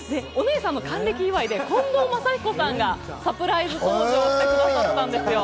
で、お姉さんの還暦祝いで近藤真彦さんがサプライズ登場してくださったんですよ。